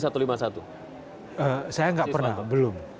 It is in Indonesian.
saya tidak pernah belum